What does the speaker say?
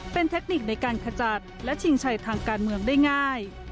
เป็นเทคนิคในการขจัดและชิงชัยทางการเมืองได้ง่าย